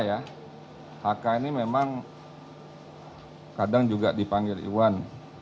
hk ya hk ini memang kadang juga dipanggil iwan